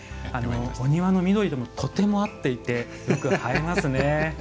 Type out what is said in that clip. お庭の緑ともとても合っていてよく映えますね。